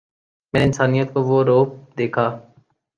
میں نے انسانیت کا وہ روپ دیکھا